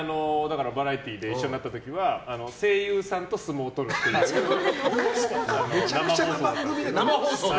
バラエティーで一緒になった時は声優さんと相撲を取るっていう生放送。